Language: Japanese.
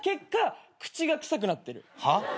はっ？